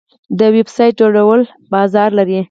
د ویب سایټ جوړول بازار لري؟